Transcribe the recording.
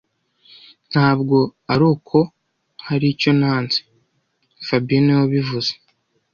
Ntabwo ari uko hari icyo nanze fabien niwe wabivuze